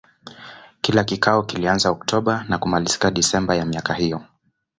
Kila kikao kilianza Oktoba na kumalizika Desemba ya miaka hiyo.